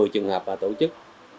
một mươi trường hợp là tổ chức